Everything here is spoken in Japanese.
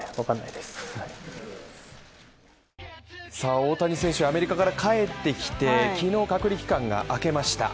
大谷選手はアメリカから帰ってきて昨日隔離期間が明けました